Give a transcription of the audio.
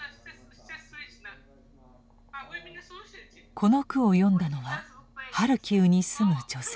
この句を詠んだのはハルキウに住む女性でした。